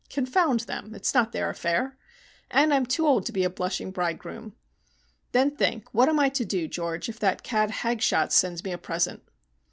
Confound them! It's not their affair. And I'm too old to be a blushing bridegroom. Then think, what am I to do, George, if that cad Hagshot sends me a present?"